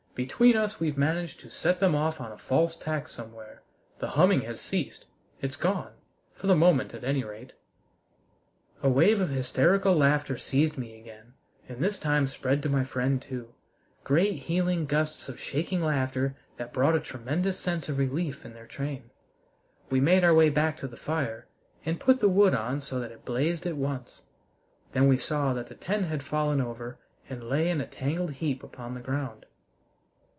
"Between us, we've managed to set them off on a false tack somewhere. The humming has ceased. It's gone for the moment at any rate!" A wave of hysterical laughter seized me again, and this time spread to my friend too great healing gusts of shaking laughter that brought a tremendous sense of relief in their train. We made our way back to the fire and put the wood on so that it blazed at once. Then we saw that the tent had fallen over and lay in a tangled heap upon the ground.